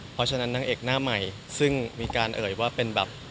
เพราะฉะนั้นนางเอกหน้าใหม่ซึ่งมีการเอ่ยว่าเป็นแบบ